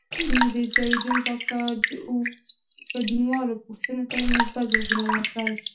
د څېړونکو او ګډونوالو پوښتنو ته یې مثبت ځوابونه ورکړل